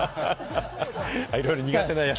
いろいろ苦手な野菜が。